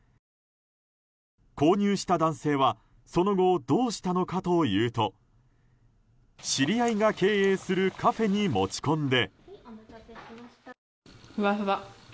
購入した男性は、その後どうしたのかというと知り合いが経営するカフェに持ち込んで。